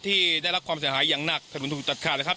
ที่ได้รับความเสียหายอย่างหนักถนนถูกตัดขาดเลยครับ